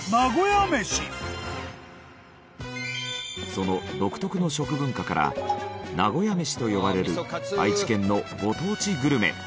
その独特の食文化から名古屋メシと呼ばれる愛知県のご当地グルメ。